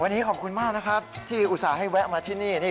วันนี้ขอบคุณมากนะครับที่อุตส่าห์ให้แวะมาที่นี่